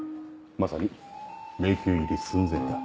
まさに迷宮入り寸前だ。